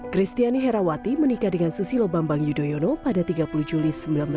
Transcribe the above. kristiani herawati menikah dengan susilo bambang yudhoyono pada tiga puluh juli seribu sembilan ratus enam puluh